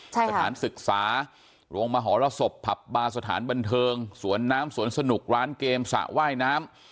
สถานศึกษาโรงมหรสบผับบาร์สถานบันเทิงสวนน้ำสวนสนุกร้านเกมสระว่ายน้ำ